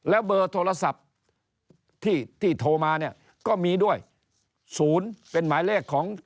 แล้วเบอร์โทรศัพท์ที่โทรมาเนี่ยก็มีด้วย๐เป็นหมายเลขของ